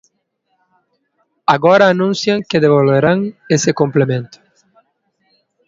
Agora anuncian que devolverán ese complemento.